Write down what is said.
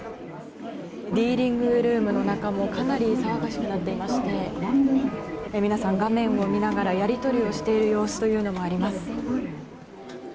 ディーリングルームの中もかなり騒がしくなっていまして皆さん、画面を見ながらやり取りをしている様子があります。